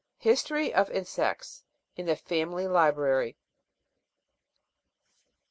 " History of Insects in the Family Library.